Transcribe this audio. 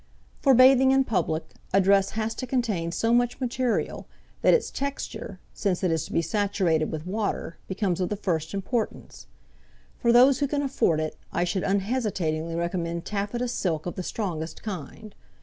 For bathing in public a dress has to contain so much material that its texture, since it is to be saturated with water, becomes of the first importance. For those who can afford it I should unhesitatingly recommend taffeta silk of the strongest kind.